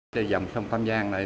trên dòng sông tam giang này